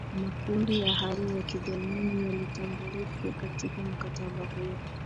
makundi ya hali ya kijamii yalitambulike katika mkataba huo